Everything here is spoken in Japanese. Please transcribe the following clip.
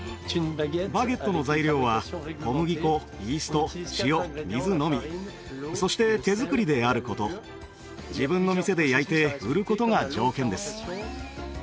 バゲットの材料は小麦粉イースト塩水のみそして手作りであること自分の店で焼いて売ることが条件です